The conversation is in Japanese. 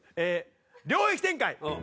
領域展開！